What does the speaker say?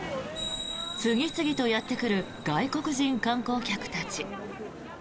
次々とやってくる外国人観光客たち。